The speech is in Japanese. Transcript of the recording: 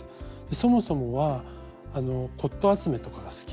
そもそもは骨とう集めとかが好きで。